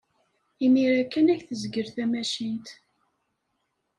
Imir-a kan ay tezgel tamacint.